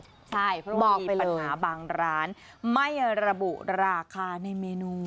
ใช่เพราะมองมีปัญหาบางร้านไม่ระบุราคาในเมนู